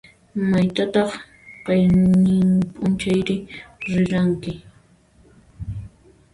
Maytataq qayninp'unchayri riranki?